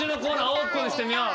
オープンしてみよう。